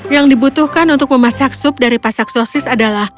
yang dibutuhkan untuk memasak sup dari pasak sosis adalah